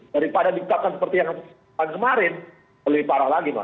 daripada ditetapkan seperti yang kemarin lebih parah lagi mas